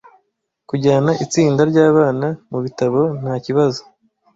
Kujyana itsinda ryabana mubitabo ntakibazo.